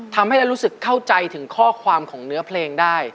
ทำให้เรารู้สึกเข้าใจถึงข้อความของเนื้อเพลงได้